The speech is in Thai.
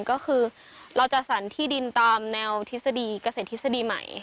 ก็คือเราจัดสรรที่ดินตามแนวทฤษฎีเกษตรทฤษฎีใหม่